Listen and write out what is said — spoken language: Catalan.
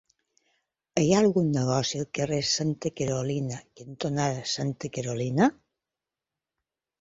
Hi ha algun negoci al carrer Santa Carolina cantonada Santa Carolina?